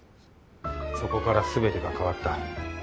そこから全てが変わった。